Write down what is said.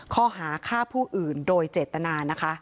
ข้อหาฆ่าผู้อื่นโดยเจตนานะคะ